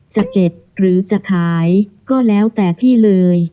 จะเก็บหรือจะขายก็แล้วแต่พี่เลย